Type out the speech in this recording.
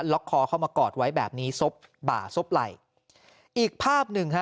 คอเข้ามากอดไว้แบบนี้ซบบ่าซบไหล่อีกภาพหนึ่งฮะ